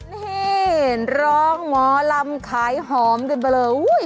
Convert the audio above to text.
นี่ร้องหมอลำขายหอมกันไปเลย